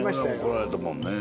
怒られたもんね。